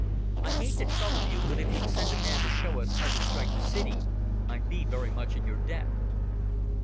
I hate to trouble you, but if you'd send a man to show us how to strike the city I'd be very much in your debt."